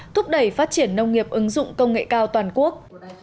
thúc đẩy phát triển nông nghiệp ứng dụng công nghệ cao toàn quốc